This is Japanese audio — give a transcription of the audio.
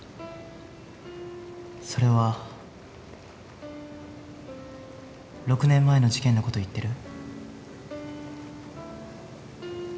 それは６年前の事件の事言ってる？